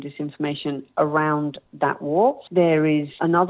ada perang lain di tengah tengah